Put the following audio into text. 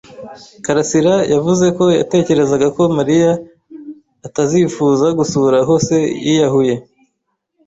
karasira yavuze ko yatekerezaga ko Mariya atazifuza gusura aho se yiyahuye.